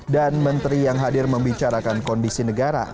dan menteri yang hadir membicarakan kondisi negara